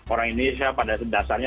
orang indonesia pada dasarnya